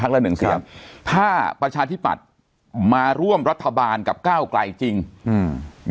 แล้วถ้าประชาธิบัติมาร่วมอัฐบาลกับก้าวไกลจริงอย่างที่ท่าน